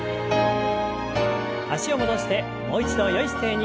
脚を戻してもう一度よい姿勢に。